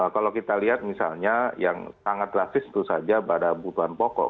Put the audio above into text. kalau kita lihat misalnya yang sangat drastis itu saja pada kebutuhan pokok